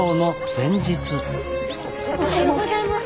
おはようございます。